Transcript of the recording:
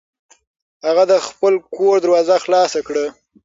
هغه د خپل کور دروازه خلاصه کړه.